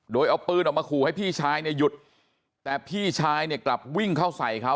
โดยเอาปืนออกมาขู่ให้พี่ชายเนี่ยหยุดแต่พี่ชายเนี่ยกลับวิ่งเข้าใส่เขา